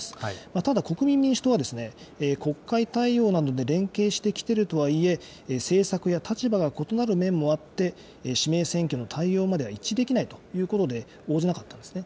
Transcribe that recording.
ただ、国民民主党は、国会対応などで連携してきているとはいえ、政策や立場が異なる面もあって、指名選挙の対応までは一致できないということで、応じなかったんですね。